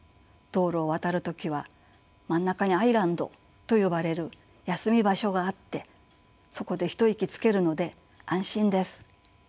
道路を渡る時は真ん中にアイランドと呼ばれる休み場所があってそこで一息つけるので安心です。